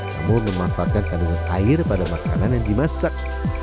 namun memanfaatkan kandungan air pada makanan yang dimasak